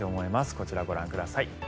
こちら、ご覧ください。